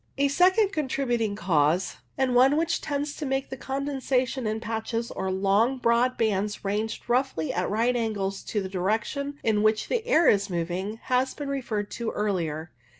A second contributing cause, and one which tends to make the condensation in patches or long broad bands ranged roughly at right angles to the direction in which the air is moving, has been referred to earlier.